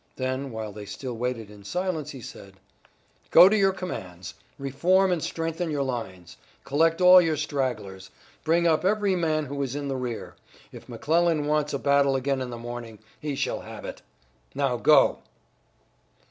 Then while they still waited in silence, he said: "Go to your commands! Reform and strengthen your lines. Collect all your stragglers. Bring up every man who is in the rear. If McClellan wants a battle again in the morning, he shall have it. Now go!"